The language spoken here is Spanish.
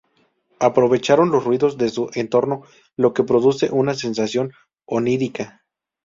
Aprovecharon los ruidos de su entorno, lo que produce una sensación onírica.